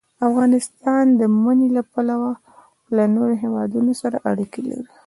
افغانستان د منی له پلوه له نورو هېوادونو سره اړیکې لري.